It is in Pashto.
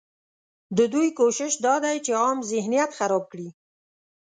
ددوی کوشش دا دی چې عام ذهنیت خراب کړي